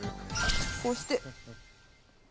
こうして。